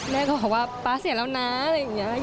ก็บอกว่าป๊าเสียแล้วนะอะไรอย่างนี้